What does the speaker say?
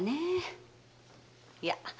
いや。